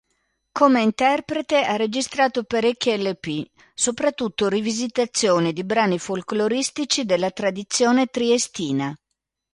Come interprete ha registrato parecchi Lp, soprattutto rivisitazioni di brani folcloristici della tradizione triestina.